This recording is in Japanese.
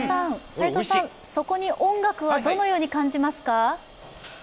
そこに音楽はどのように感じますか？